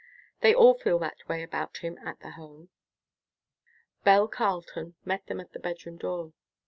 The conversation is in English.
They all feel that way about him at the Home." Belle Carleton met them at the bedroom door.